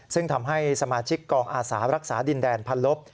ซึ่งทำให้สมาชิกกองอาสารักษาดินแดนพันลบ